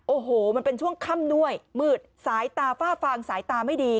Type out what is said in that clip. โอ้โหมันเป็นช่วงค่ำด้วยมืดสายตาฝ้าฟางสายตาไม่ดี